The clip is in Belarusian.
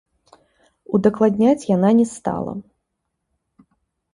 Удакладняць яна не стала.